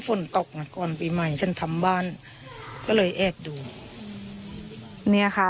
ฝนตกมาก่อนปีใหม่ฉันทำบ้านก็เลยแอบดูเนี่ยค่ะ